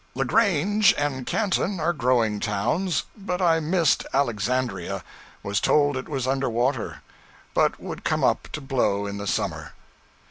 La Grange and Canton are growing towns, but I missed Alexandria; was told it was under water, but would come up to blow in the summer.